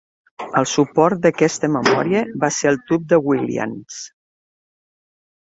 El suport d'aquesta memòria va ser el tub de Williams.